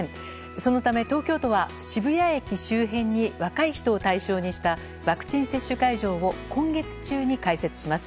そのため東京都は渋谷駅周辺に若い人を対象にしたワクチン接種会場を今月中に開設します。